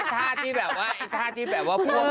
ไอ้ท่าที่แบบว่าพูดว่าพันกับเต้น